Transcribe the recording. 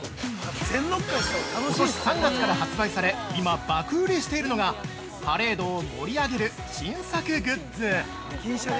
◆ことし３月から発売され今、爆売れしているのが、パレードを盛り上げる新作グッズ！